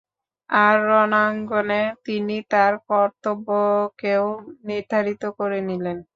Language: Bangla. আর রণাঙ্গনে তিনি তাঁর কর্তব্যকেও নির্ধারিত করে নিলেন।